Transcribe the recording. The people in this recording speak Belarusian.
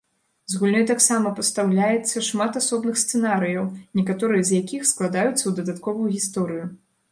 З гульнёй таксама пастаўляецца шмат асобных сцэнарыяў, некаторыя з якіх складаюцца ў дадатковую гісторыю.